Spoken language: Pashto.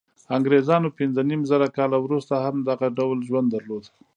انګرېزانو پنځه نیم زره کاله وروسته هم دغه ډول ژوند درلود.